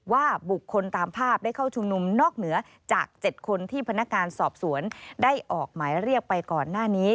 ว่าบุคคลตามภาพได้เข้าชุมนุมนอกเหนือจาก๗คนที่พนักงานสอบสวนได้ออกหมายเรียกไปก่อนหน้านี้